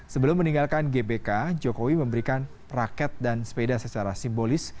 sebelum meninggalkan gbk jokowi memberikan raket dan sepeda secara simbolis